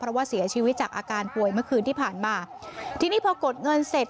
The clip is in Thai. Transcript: เพราะว่าเสียชีวิตจากอาการป่วยเมื่อคืนที่ผ่านมาทีนี้พอกดเงินเสร็จ